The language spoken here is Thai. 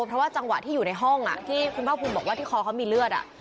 เพราะว่าจังหวะที่อยู่ในห้องที่คุณภาคภูมิบอกว่าที่คอเขามีเลือด